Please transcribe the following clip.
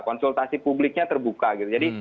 konsultasi publiknya terbuka gitu